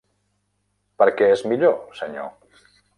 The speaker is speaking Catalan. Per què és millor, senyor?